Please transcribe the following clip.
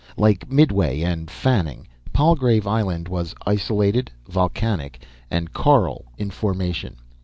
Like Midway and Fanning, Palgrave Island was isolated, volcanic and coral in formation.